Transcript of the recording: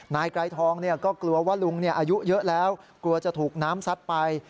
นายไกรทองก็กลัวว่าลุงอายุเยอะแล้วกลัวจะถูกน้ำซัดไป